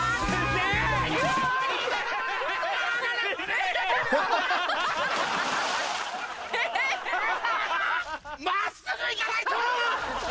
真っすぐ行かないと！